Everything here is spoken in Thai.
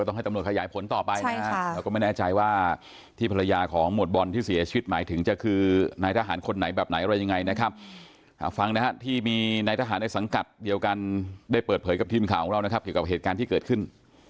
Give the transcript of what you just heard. ได้เปิดเผยกับทีมข่าวของเรานะครับเกี่ยวกับเหตุการณ์ที่เกิดขึ้น